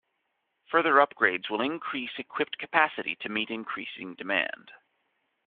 Further upgrades will increase equipped capacity to meet increasing demand.